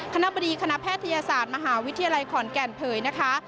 คณะบดีคณะแพทยศาสตร์มหาวิทยาลัยขอนแก่นเผยนะคะ